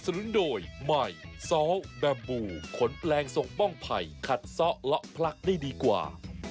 นุนโดยใหม่ซ้อแบบบูขนแปลงส่งป้องไผ่ขัดซ้อเลาะพลักได้ดีกว่า